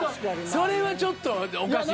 それはちょっとおかしいって。